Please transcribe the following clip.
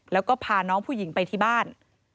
แล้วก็พาน้องผู้หญิงไปที่บ้าน